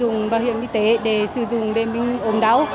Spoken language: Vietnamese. sử dụng bảo hiểm y tế để sử dụng để mình ổn đau